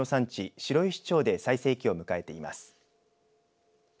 白石町で最盛期を迎えています。